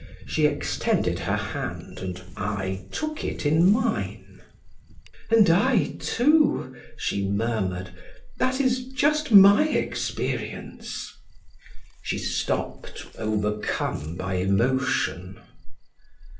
She extended her hand and I took it in mine. "And I, too," she murmured, "that is just my experience." She stopped, overcome by emotion.